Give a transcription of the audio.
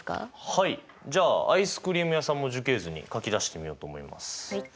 はいじゃあアイスクリーム屋さんも樹形図に書き出してみようと思います。